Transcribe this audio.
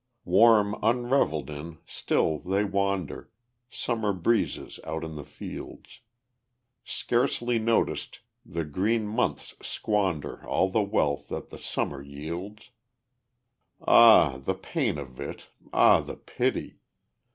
Warm, unrevelled in, still they wander, Summer breezes out in the fields; Scarcely noticed, the green months squander All the wealth that the summer yields. Ah, the pain of it! Ah, the pity!